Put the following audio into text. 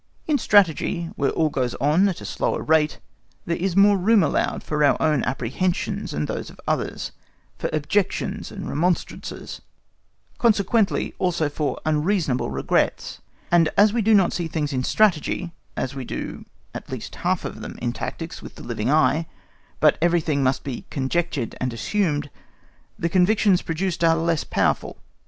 In Strategy, where all goes on at a slower rate, there is more room allowed for our own apprehensions and those of others, for objections and remonstrances, consequently also for unseasonable regrets; and as we do not see things in Strategy as we do at least half of them in tactics, with the living eye, but everything must be conjectured and assumed, the convictions produced are less powerful.